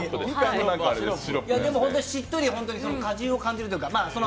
しっとり、本当に果汁を感じるというか。